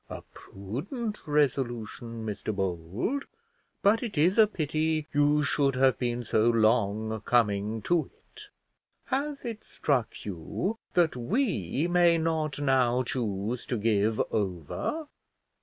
A prudent resolution, Mr Bold; but it is a pity you should have been so long coming to it. Has it struck you that we may not now choose to give over?